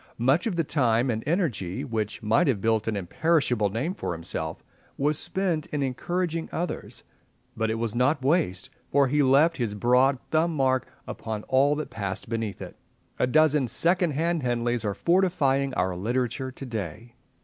Much of the time and energy which might have built an imperishable name for himself was spent in encouraging others; but it was not waste, for he left his broad thumb mark upon all that passed beneath it. A dozen second hand Henleys are fortifying our literature to day.